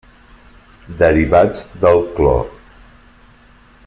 Derivats del clor.